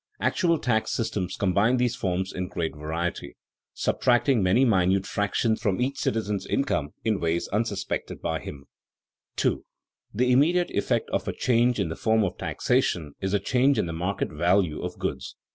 Actual tax systems combine these forms in great variety, subtracting many minute fractions from each citizen's income in ways unsuspected by him. [Sidenote: Changes of taxation and in capitalization] 2. _The immediate effect of a change in the form of taxation is a change in the market value of goods.